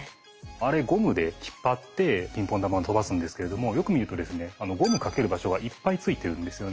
あれゴムで引っ張ってピンポン玉を飛ばすんですけれどもよく見るとですねゴム掛ける場所がいっぱい付いてるんですよね。